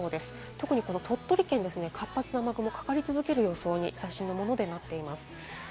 特に鳥取県、活発な雨雲がかかり続ける予想に最新のものになっています。